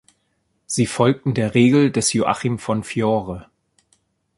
Sie folgten der Regel des Joachim von Fiore.